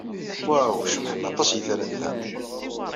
Waw! Cebḥen aṭas yitran da.